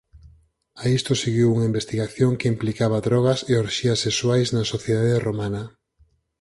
A isto seguiu unha investigación que implicaba drogas e orxías sexuais na sociedade romana.